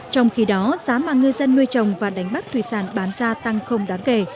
trong khi đó giá mà ngư dân nuôi trồng và đánh bắt thủy sản bán ra tăng không đáng kể